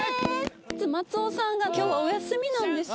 松尾さんが今日はお休みなんですよ。